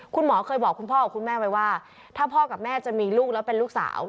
คุณหมอเคยบอกคุณพ่อกับคุณแม่ไว้ว่าถ้าพ่อกับแม่จะมีลูกแล้วเป็นลูกสาว